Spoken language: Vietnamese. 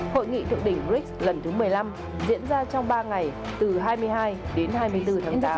hội nghị thượng đỉnh brics lần thứ một mươi năm diễn ra trong ba ngày từ hai mươi hai đến hai mươi bốn tháng tám